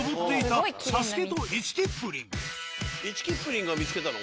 イチキップリンが見つけたの？